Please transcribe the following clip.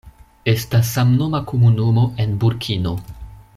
Estas samnoma komunumo en Burkino.